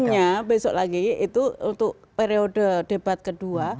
artinya besok lagi itu untuk periode debat kedua